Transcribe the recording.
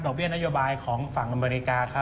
ดอกเบี้ยนโยบายของฝั่งอำนวนิกาเขา